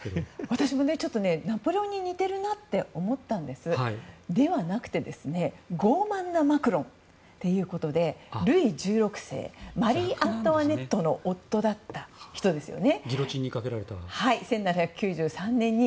私もナポレオンに似ているなと思ったんですがそうではなくて傲慢なマクロンということでルイ１６世マリー・アントワネットの夫だった人ですね。